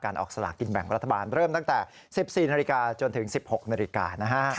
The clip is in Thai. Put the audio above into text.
ออกสลากินแบ่งรัฐบาลเริ่มตั้งแต่๑๔นาฬิกาจนถึง๑๖นาฬิกานะฮะ